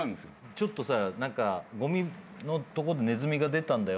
ちょっとさ何かごみのところにネズミが出たんだよ